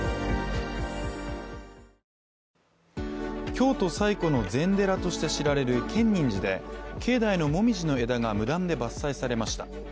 京都最古の禅寺として知られる建仁寺で境内の紅葉の枝が無断で伐採されました。